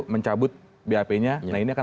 mencabut bap nya nah ini akan